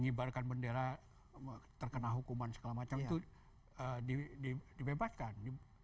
mengibarkan bendera terkena hukuman segala macam itu dibebaskan